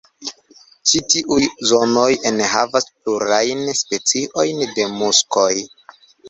Ĉi tiuj zonoj enhavas plurajn speciojn de muskoj.